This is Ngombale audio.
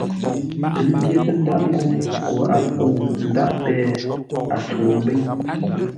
A pyə́ghʼə ńdáʼ ńgó koo a kə̂u ńdáʼ péh, a tsuŋu ḿbə́i.